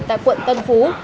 tại quận tân phú